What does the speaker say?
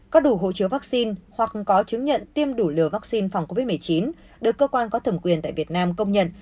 có đủ hồ chứa vaccine hoặc có chứng nhận tiêm đủ liều vaccine phòng covid một mươi chín được cơ quan có thẩm quyền tại việt nam công nhận